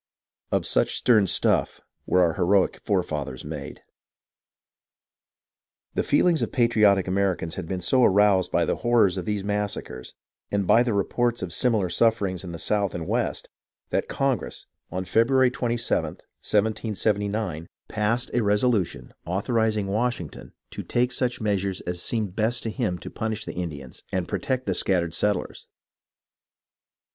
Of such stern stuff were our heroic forefathers made. The feelings of the patriotic Americans had been so aroused by the horrors of these massacres and by the reports of similar sufferings in the south and west, that Congress, on February 27th, 1779, passed a resolution SULLIVAN'S EXPEDITION 257 authorizing Washington to take such measures as seemed best to him to punish the Indians and protect the scattered settlers.